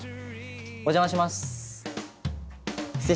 お邪魔します。